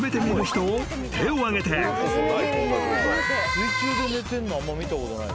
水中で寝てんのあんま見たことない。